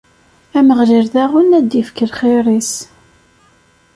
Ameɣlal daɣen, ad d-ifk lxir-is.